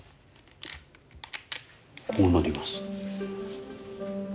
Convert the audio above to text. こうなります。